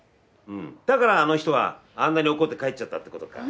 だからあの人はあんなに怒って帰っちゃったってことか。